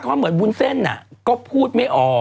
คุณสรุปคือยังไง